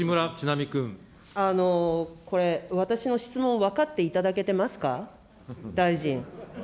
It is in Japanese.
これ、私の質問、分かっていただけてますか、大臣。